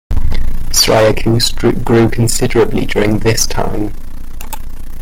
Syracuse grew considerably during this time.